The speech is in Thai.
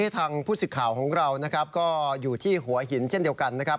ทางผู้สิทธิ์ข่าวของเรานะครับก็อยู่ที่หัวหินเช่นเดียวกันนะครับ